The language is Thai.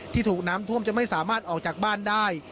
ถูกน้ำท่วมจะไม่สามารถออกจากบ้านได้